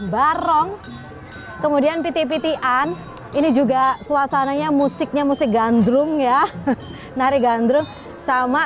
barong kemudian piti pitian ini juga suasananya musiknya musik gandrung ya nari gandrung sama